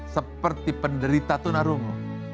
seperti penderita tunarumu